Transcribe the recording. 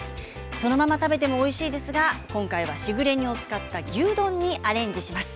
そのまま食べてもおいしいですが今回は、しぐれ煮を使った牛丼にアレンジします。